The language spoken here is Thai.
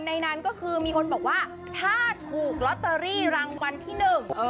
ที่ขายที่ได้ขอให้มีโชคให้ถูกรางวัลที่หนึ่ง